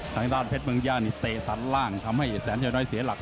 ทางด้านเพชรเมืองย่านี่เตะตัดล่างทำให้แสนชาวน้อยเสียหลัก